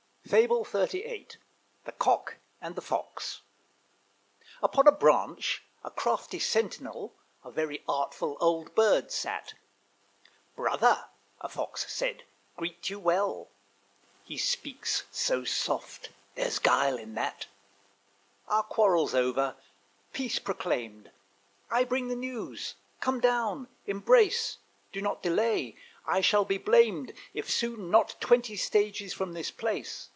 FABLE XXXVIII. THE COCK AND THE FOX. Upon a branch a crafty sentinel, A very artful old bird, sat. "Brother," a Fox said, "greet you well" (He speaks so soft there's guile in that); "Our quarrel's over, peace proclaimed: I bring the news; come down, embrace: Do not delay: I shall be blamed If soon not twenty stages from this place.